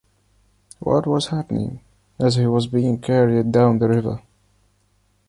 What was happening, as he was being carried down the river?